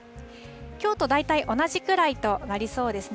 きょうと大体同じくらいとなりそうですね。